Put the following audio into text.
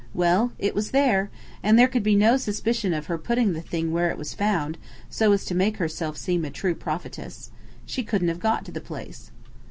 Well, it was there! And there could be no suspicion of her putting the thing where it was found, so as to make herself seem a true prophetess. She couldn't have got to the place.